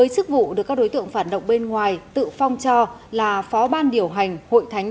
chức vụ được các đối tượng phản động bên ngoài tự phong cho là phó ban điểu hành hội thánh